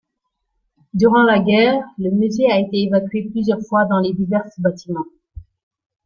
Durant la guerre, le Musée a été évacué plusieurs fois dans les diverses bâtiments.